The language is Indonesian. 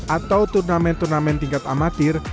atau turnamen turnamen tingkat amatir